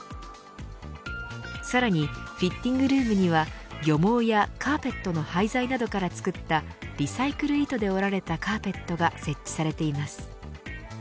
さらにフィッティングルームには漁網やカーペットの廃材などから作ったリサイクル糸で織られたカーペットが設置されています。